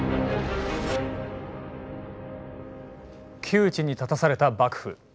窮地に立たされた幕府。